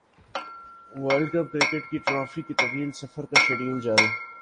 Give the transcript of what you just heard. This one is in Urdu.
ورلڈ کپ کرکٹ کی ٹرافی کے طویل ترین سفر کا شیڈول جاری